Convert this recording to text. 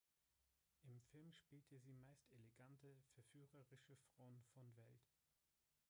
Im Film spielte sie meist elegante, verführerische Frauen von Welt.